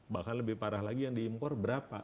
bahkan lebih parah lagi yang diimpor berapa